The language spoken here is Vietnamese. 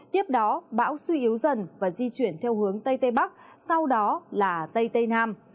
tiếp đó bão suy yếu dần và di chuyển theo hướng tây tây bắc sau đó là tây tây nam